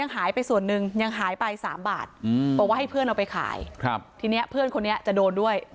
หายไป๓บาทบอกว่าให้เพื่อนเอาไปขายทีนี้เพื่อนคนนี้จะโดนด้วย